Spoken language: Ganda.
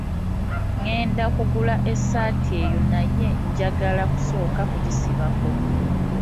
Ngenda kugula essaati eyo naye njagala kusooka kugisibako.